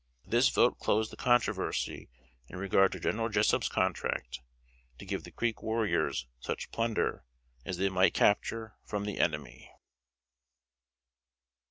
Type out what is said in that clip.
This vote closed the controversy in regard to General Jessup's contract, to give the Creek warriors such plunder as they might capture from the enemy.